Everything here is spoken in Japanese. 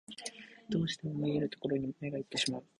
どうしても見えるところに目がいってしまう